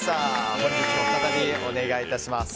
本日も再びお願いいたします。